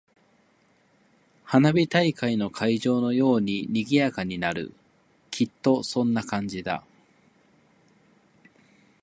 花火大会の会場のように賑やかになる。きっとそんな感じだ。